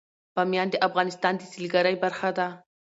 بامیان د افغانستان د سیلګرۍ برخه ده.